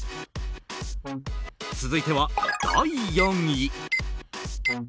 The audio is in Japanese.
続いては第４位。